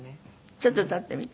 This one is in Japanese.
ちょっと歌ってみて。